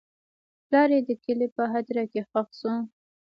پلار یې د کلي په هدیره کې ښخ شو.